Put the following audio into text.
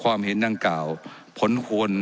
ว่าการกระทรวงบาทไทยนะครับ